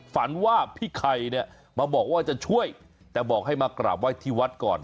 ฝันว่าพี่ไข่เนี่ยมาบอกว่าจะช่วยแต่บอกให้มากราบไหว้ที่วัดก่อน